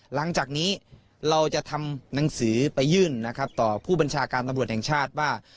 หลังจากนี้เราจะทำหนังสือไปยื่นนะครับต่อผู้บัญชาการตำรวจแห่งชาติว่า